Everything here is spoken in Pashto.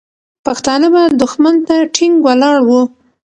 پښتانه به دښمن ته ټینګ ولاړ وو.